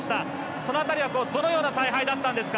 その辺りはどのような采配だったんですか？